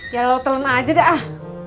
ya lu telan aja dah